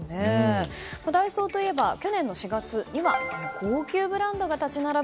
ダイソーといえば去年の４月には高級ブランドが立ち並ぶ